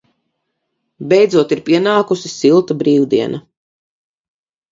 Beidzot ir pienākusi silta brīvdiena.